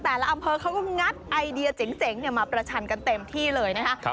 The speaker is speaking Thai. แต่ละอำเภอเขาก็งัดไอเดียเจ๋งมาประชันกันเต็มที่เลยนะคะ